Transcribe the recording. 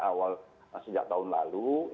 awal sejak tahun lalu